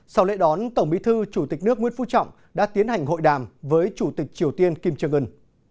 sau lễ đón tổng bí thư chủ tịch nước nguyễn phú trọng đã tiến hành hội đàm với chủ tịch triều tiên kim jong un